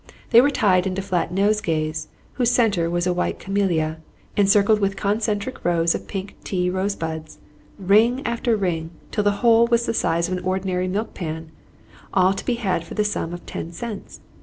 They were tied into flat nosegays, whose centre was a white camellia, encircled with concentric rows of pink tea rosebuds, ring after ring, till the whole was the size of an ordinary milk pan; all to be had for the sum of ten cents!